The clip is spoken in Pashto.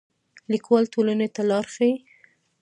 لیکوال ټولنې ته لار ښيي